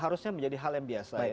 harusnya menjadi hal yang biasa